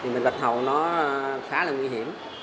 bệnh bạch hầu khá là nguy hiểm